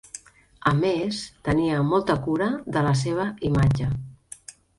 A més, tenia molta cura de la seva imatge.